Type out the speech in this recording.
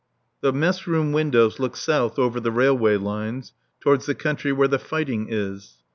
The mess room windows look south over the railway lines towards the country where the fighting is.